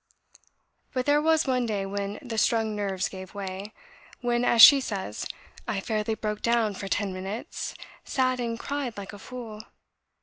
But there was one day when the strung nerves gave way when, as she says, "I fairly broke down for ten minutes; sat and cried like a fool.